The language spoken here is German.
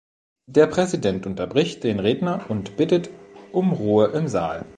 Der Präsident unterbricht den Redner und bittet um Ruhe im Saal.